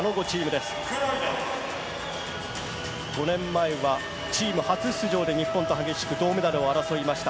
５年前はチーム初出場で日本と激しく銅メダルを争いました